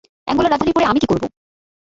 অ্যাঙ্গোলার রাজধানীর পড়ে আমি কী করবো?